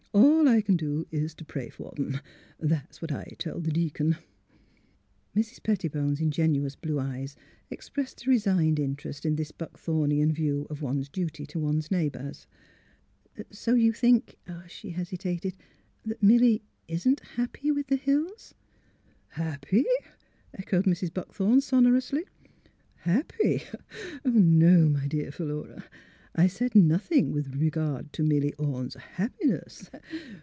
All I c'n do is t' pray for 'em. That's what I tell the deacon." Mrs. Pettibone's ingenuous blue eyes expressed a resigned interest in this Buckthornian view of one's duty to one's neighbours. " So you think," she hesitated, ''that Milly isn't — happy with the Hills? " ''Happy!" echoed Mrs. Buckthorn, sonor ously. " Happy? No, my dear Philura, I said nothing with regard to Milly Orne's liappiness.